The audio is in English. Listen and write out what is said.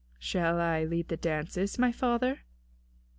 "Shall I lead the dances, my father?"